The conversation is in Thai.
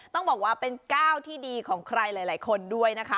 ต้องบอกว่าเป็นก้าวที่ดีของใครหลายคนด้วยนะคะ